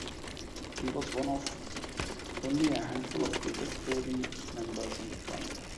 He was one of only a handful of Quebec Tory members in that Parliament.